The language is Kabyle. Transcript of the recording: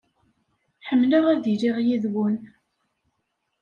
Ḥemmleɣ ad iliɣ yid-wen.